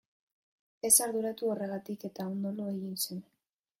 Ez arduratu horregatik eta ondo lo egin seme.